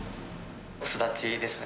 巣立ちですね。